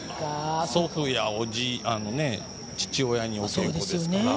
祖父や父親に教わりますから。